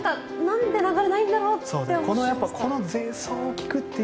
なんで流れないんだろうって。